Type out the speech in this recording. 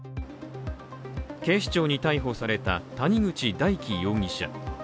警視庁に逮捕された谷口大祈容疑者。